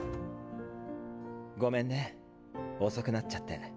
ごめんね遅くなっちゃって。